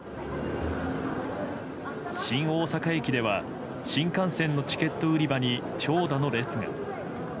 新大阪駅では新幹線のチケット売り場に長蛇の列が。